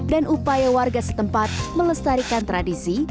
dan upaya warga setempat melestarikan tradisi